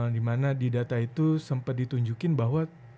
dimana di data itu sempat ditunjukin bahwa